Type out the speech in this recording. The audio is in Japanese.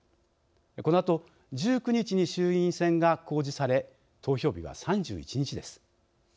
このあと１９日に衆院選が公示され投票日は３１日です。